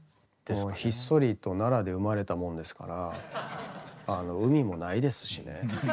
もうひっそりと奈良で生まれたもんですから海もないですしね。